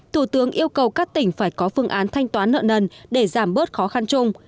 thủ tướng yêu cầu các tỉnh phải có phương án thanh toán nợ nần để giảm bớt khó khăn chung